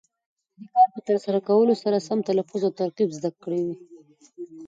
د دې کار په ترسره کولو سره سم تلفظ او ترکیب زده کوي.